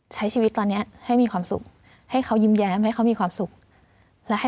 ใช้ชีวิตตอนนี้ให้มีความสุขให้เขายิ้มแย้มให้เขามีความสุขและให้